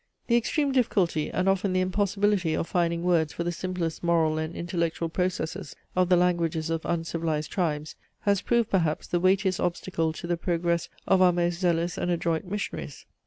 The extreme difficulty, and often the impossibility, of finding words for the simplest moral and intellectual processes of the languages of uncivilized tribes has proved perhaps the weightiest obstacle to the progress of our most zealous and adroit missionaries.